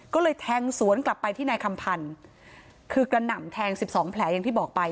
ก็เลยแทงสวนกลับไปที่นายคำพันธ์คือกระหน่ำแทงสิบสองแผลอย่างที่บอกไป